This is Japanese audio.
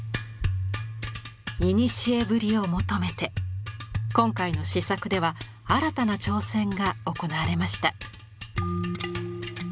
古ぶりを求めて今回の試作では新たな挑戦が行われました。